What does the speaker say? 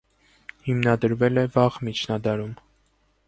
Հիմնադրվել է վաղ միջնադարում։